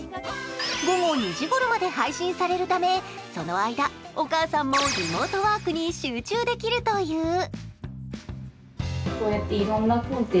午後２時ごろまで配信されるため、その間お母さんもリモートワークに集中できるという。